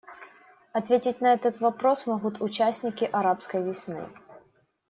Ответить на этот вопрос могут участники «арабской весны».